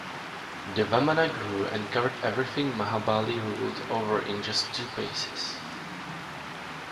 The Vamana grew and covered everything Mahabali ruled over in just two paces.